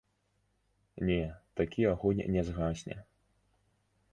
Не, такі агонь не згасне.